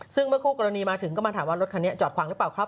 ซึ่งเมื่อคู่กรณีมาถึงก็มาถามว่ารถคันนี้จอดขวางหรือเปล่าครับ